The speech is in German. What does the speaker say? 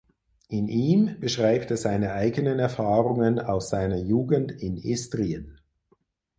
In ihm beschreibt er seine eigenen Erfahrungen aus seiner Jugend in Istrien.